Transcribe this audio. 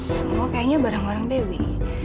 semua kayaknya barang barang dewi